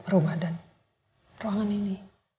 rumah dan ruangan ini